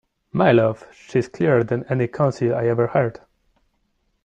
My love, she's clearer than any counsel I ever heard!